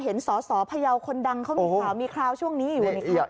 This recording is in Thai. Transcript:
เห็นสอพะเยาคนดังเขามีข่าวมีคราวช่วงนี้อยู่ไหมคะ